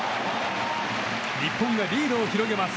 日本がリードを広げます。